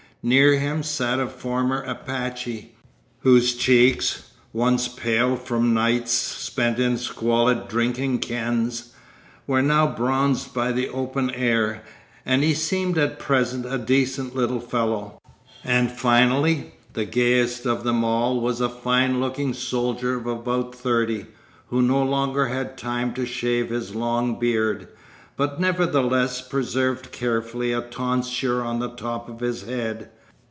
Near him sat a former apache, whose cheeks, once pale from nights spent in squalid drinking kens, were now bronzed by the open air, and he seemed at present a decent little fellow; and finally, the gayest of them all was a fine looking soldier of about thirty, who no longer had time to shave his long beard, but nevertheless preserved carefully a tonsure on the top of his head.